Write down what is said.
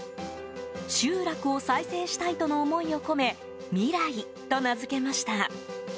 集落を再生したいとの思いを込め未来と名付けました。